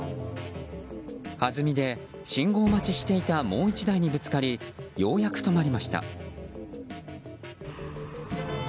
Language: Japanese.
はずみで、信号待ちしていたもう１台にぶつかりようやく止まりました。